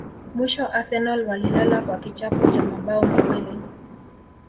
Mwisho Arsenal walilala kwa kichapo cha mabao mawili